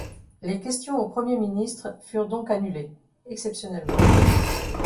Les Questions au Premier ministre furent donc annulées, exceptionnellement.